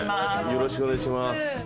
よろしくお願いします。